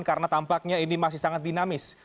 karena tampaknya ini masih sangat dinamis